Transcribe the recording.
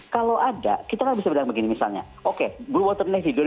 kalau ada kita kan bisa bilang begini misalnya oke blue water navy dua ribu empat puluh lima